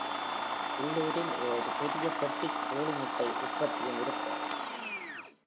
உள்ளூரில் ஒரு பெரிய பெட்டிக் கோழி முட்டை உற்பத்தியும் இருக்கிறது.